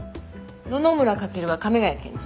野々村翔は亀ヶ谷検事。